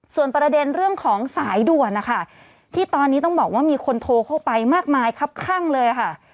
ส่วนประเด็นเรื่องของสายด่วนนะคะที่ตอนนี้ต้องบอกว่ามีคนโทรเข้าไปมากมายครับข้างเลยค่ะ